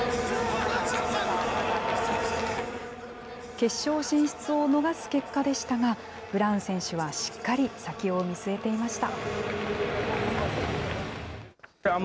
決勝進出を逃す結果でしたが、ブラウン選手はしっかり先を見据えていました。